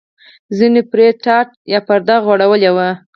ځینو پرې ټاټ یا پرده غوړولې وه.